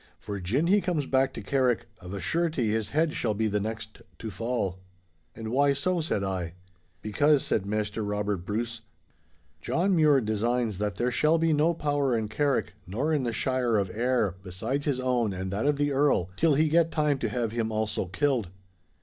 For gin he comes back to Carrick, of a surety his head shall be the next to fall.' 'And why so?' said I. 'Because,' said Maister Robert Bruce, 'John Mure designs that there shall be no power in Carrick nor in the Shire of Ayr besides his own and that of the Earl—till he get time to have him also killed.